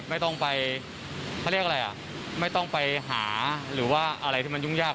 ไม่ต้องไปหาหรือว่าอะไรที่มันยุ่งยาก